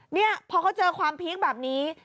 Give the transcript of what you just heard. นี่พอเขาเจอความพีคแบบนี้